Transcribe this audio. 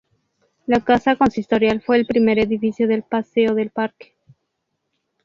La casa consistorial fue el primer edificio del Paseo del Parque.